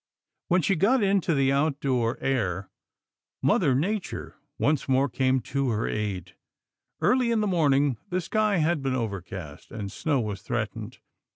When she got into the out door air, Mother PURSUIT OF THE GOOSE 183 Nature once more came to her aid. Early in the morning, the sky had been overcast, and snow was threatened.